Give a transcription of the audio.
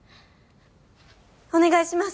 お願いします